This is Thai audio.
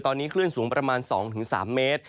ตอนนี้คลื่นสูงประมาณ๒๓เมตร